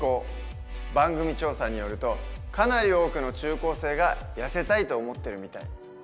番組調査によるとかなり多くの中高生がやせたいと思ってるみたい。